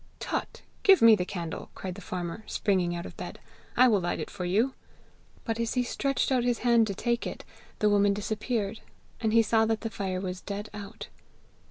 'Tut! give me the candle,' cried the farmer, springing out of bed; 'I will light it for you!' But as he stretched out his hand to take it, the woman disappeared, and he saw that the fire was dead out.